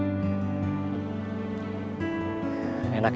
gue gak pernah bisa